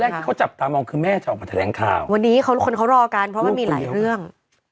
ที่เขาจับตามองคือแม่จะออกมาแถลงข่าววันนี้เขาคนเขารอกันเพราะมันมีหลายเรื่อง